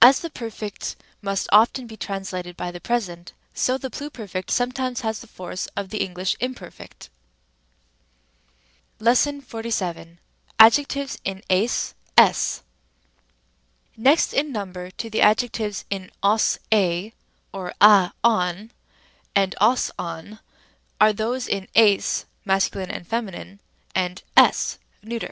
As the perfect must often be translated by the present, so the pluperfect sometimes has the force of the English imperfect. 8.47. Adjectives in 7S, és. Rem. a. Next in number to the adjectives in os, 7 or a, ον, and os, ov, are those in ns (masc. and fem.), es (neut.).